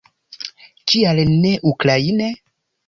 Kial ne ukraine?